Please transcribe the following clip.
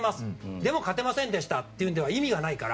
でも勝てませんでしたでは意味がないから。